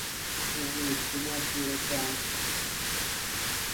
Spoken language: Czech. Týká se debaty o nedávné situaci na mezinárodních finančních trzích.